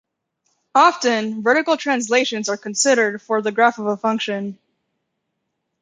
Often, vertical translations are considered for the graph of a function.